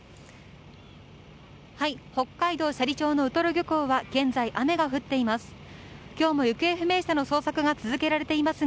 北海道斜里町のウトロ漁港は現在、雨が降っています。